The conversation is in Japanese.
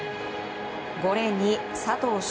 ５レーンに佐藤翔